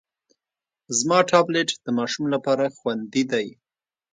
زما ټابلیټ د ماشوم لپاره خوندي دی.